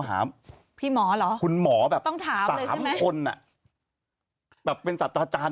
หาพี่หมอเหรอคุณหมอแบบต้องถามสามคนอ่ะแบบเป็นสัตว์อาจารย์